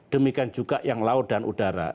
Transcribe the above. demikian juga yang laut dan udara